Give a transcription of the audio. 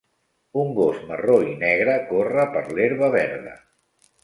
Un gos marró i negre corre per l'herba verda.